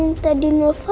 yang tadi nelfon siapa